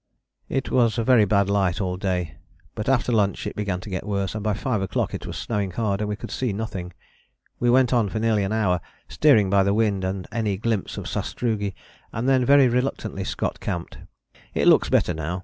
"It was a very bad light all day, but after lunch it began to get worse, and by 5 o'clock it was snowing hard and we could see nothing. We went on for nearly an hour, steering by the wind and any glimpse of sastrugi, and then, very reluctantly, Scott camped. It looks better now.